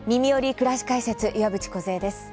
くらし解説」岩渕梢です。